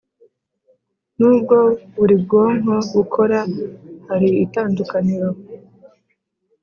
Nubwo buri bwonko bukora hari itandukaniro